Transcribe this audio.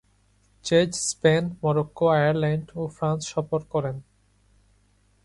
Chase Spain, Morocco, Ireland ও France সফর করেন।